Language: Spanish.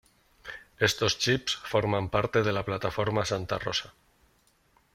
Estos chips forman parte de la plataforma Santa Rosa.